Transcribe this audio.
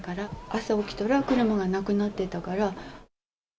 朝起きたら、車がなくなってたから。